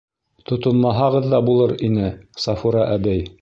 — Тотонмаһағыҙ ҙа булыр ине, Сафура әбей.